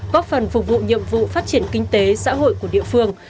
góp phần phục vụ nhiệm vụ phát triển kinh tế xã hội của địa phương